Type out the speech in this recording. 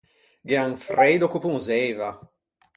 Gh’ea un freido ch’o ponzeiva.